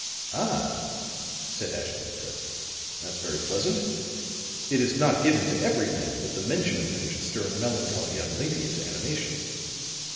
"Ah!" said Ashton Kirk. "That's very pleasant. It is not given to every man that the mention of him should stir a melancholy young lady into animation."